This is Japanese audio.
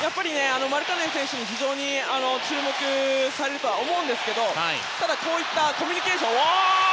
マルカネン選手に非常に注目されるとは思いますがただこういったコミュニケーションを。